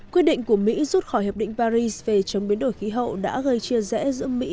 quyết định của mỹ rút khỏi hiệp định paris về chống biến đổi khí hậu đã gây chia rẽ giữa mỹ